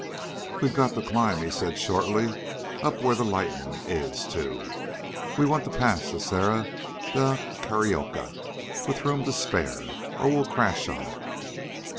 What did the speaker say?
"We've got to climb," he said shortly, "up where the lightning is, too. We want to pass the Serra da Carioca with room to spare, or we'll crash on it."